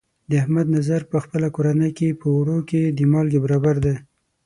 د احمد نظر په خپله کورنۍ کې، په اوړو کې د مالګې برابر دی.